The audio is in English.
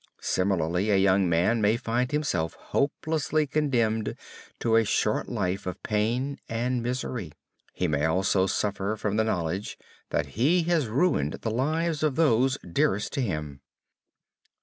Similarly, a young man may find himself hopelessly condemned to a short life of pain and misery. He may also suffer from the knowledge that he has ruined the lives of those dearest to him.